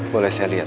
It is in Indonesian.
boleh saya liat